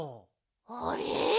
あれ？